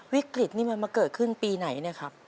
วิกฤตนี่มันมาเกิดขึ้นปีไหนเนี่ยครับ